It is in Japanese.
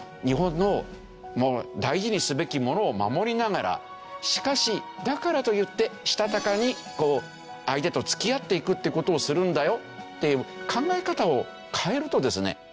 日本の大事にすべきものを守りながらしかしだからといってしたたかに相手と付き合っていくっていう事をするんだよっていう考え方を変えるとですね